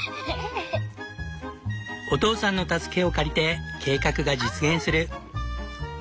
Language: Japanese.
お父さんの助けを借りて計画が実現する。